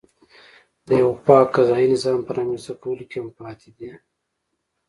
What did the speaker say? د یوه پاک قضایي نظام په رامنځته کولو کې هم پاتې دی.